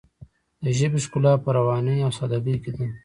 د ژبې ښکلا په روانۍ او ساده ګۍ کې ده.